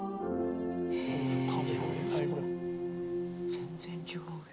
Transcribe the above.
全然違うよ。